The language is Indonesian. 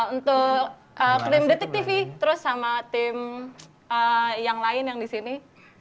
untuk tim detik tv terus sama tim yang lain yang disini